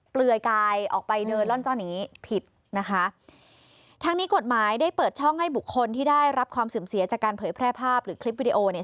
เปลือยกายออกไปเดินล่อนจ้อนอย่างงี้ผิดนะคะทั้งนี้กฎหมายได้เปิดช่องให้บุคคลที่ได้รับความเสื่อมเสียจากการเผยแพร่ภาพหรือคลิปวิดีโอเนี่ย